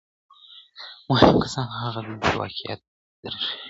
مهم کسان هغه دي چې واقعیت درښيي.